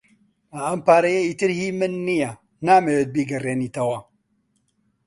ئەم پارەیە ئیتر هی من نییە. نامەوێت بیگەڕێنیتەوە.